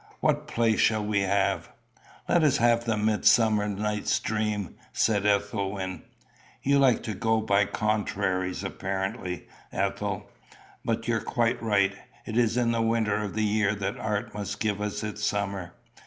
What play shall we have?" "Let us have the Midsummer Night's Dream," said Ethelwyn. "You like to go by contraries, apparently, Ethel. But you're quite right. It is in the winter of the year that art must give us its summer.